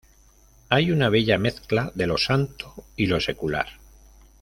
Hay una bella mezcla de lo santo y lo secular.